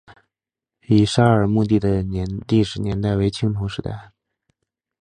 乙沙尔墓地的历史年代为青铜时代。